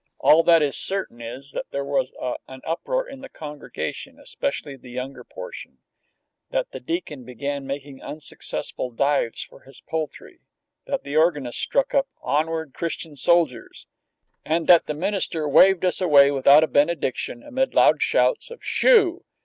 All that is certain is that there was an uproar in the congregation, especially the younger portion; that the Deacon began making unsuccessful dives for his poultry; that the organist struck up "Onward, Christian Soldiers," and that the minister waved us away without a benediction amid loud shouts of, "Shoo!"